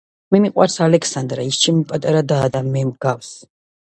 მე მიყვარს ალექსანდრა ის ჩემი პატარა დაა და მე მგავს